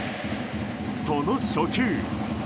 その初球。